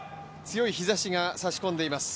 強い日ざしが差し込んでいます